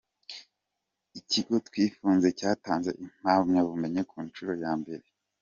Ikigo Twifunze cyatanze impamyabumenyi ku nshuro ya mbere